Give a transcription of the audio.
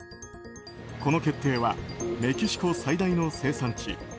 この決定はメキシコ最大の生産地